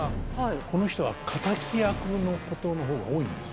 この人は敵役のことの方が多いんです。